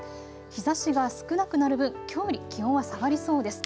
日ざしが少なくなる分きょうより気温が下がりそうです。